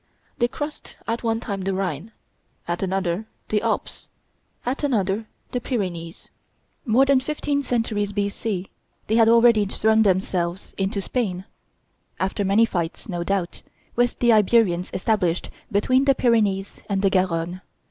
They crossed at one time the Rhine, at another the Alps, at another the Pyrenees. More than fifteen centuries B.C. they had already thrown themselves into Spain, after many fights, no doubt, with the Iberians established between the Pyrenees and the Garonne.